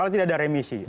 kalau tidak ada remisi